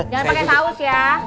jangan pakai saus ya